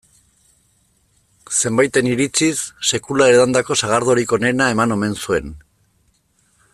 Zenbaiten iritziz, sekula edandako sagardorik onena eman omen zuen.